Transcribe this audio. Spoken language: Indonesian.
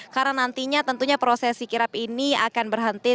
karena nantinya tentunya prosesi kirap ini akan berhentikan